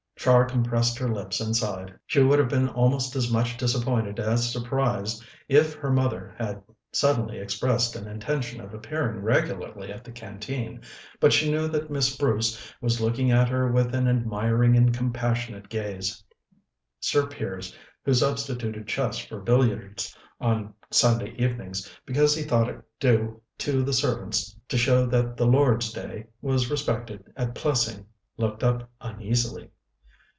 Char compressed her lips and sighed. She would have been almost as much disappointed as surprised if her mother had suddenly expressed an intention of appearing regularly at the Canteen, but she knew that Miss Bruce was looking at her with an admiring and compassionate gaze. Sir Piers, who substituted chess for billiards on Sunday evenings because he thought it due to the servants to show that the Lord's Day was respected at Plessing, looked up uneasily.